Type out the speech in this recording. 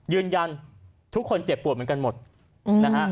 ยืนยันทุกคนเจ็บปวดเหมือนกันหมดนะฮะ